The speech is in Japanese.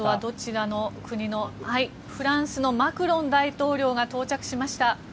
フランスのマクロン大統領が到着しました。